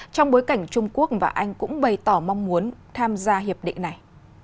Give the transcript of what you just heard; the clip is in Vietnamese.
trong bối cảnh trung quốc và anh cũng bày tỏ mong muốn tham gia hiệp định này